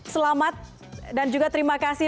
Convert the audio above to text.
selamat dan juga terima kasih